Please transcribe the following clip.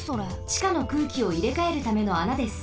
ちかの空気をいれかえるためのあなです。